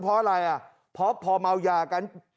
เพราะอะไรพอเมายากัน